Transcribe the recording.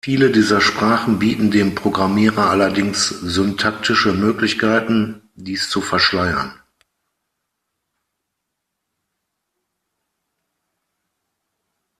Viele dieser Sprachen bieten dem Programmierer allerdings syntaktische Möglichkeiten, dies zu verschleiern.